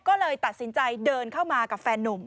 ก็เลยตัดสินใจเดินเข้ามากับแฟนนุ่ม